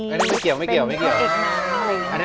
เป็นพระเอกหน้าภาคอะไรอย่างนี้ปีนี่